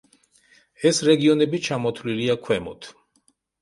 ეს რეგიონები ჩამოთვლილია ქვემოთ.